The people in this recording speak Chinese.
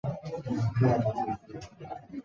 这墙音乐艺文展演空间。